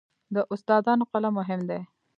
د استادانو قلم مهم دی.